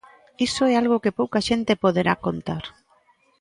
Iso é algo que pouca xente poderá contar.